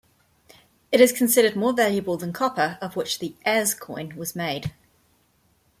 It is considered more valuable than copper, of which the "as" coin was made.